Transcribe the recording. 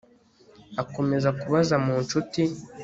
akomeza kubaza mu nshuti